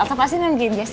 elsa pasti nenggin jess